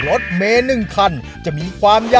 แล้ววันนี้ผมมีสิ่งหนึ่งนะครับเป็นตัวแทนกำลังใจจากผมเล็กน้อยครับ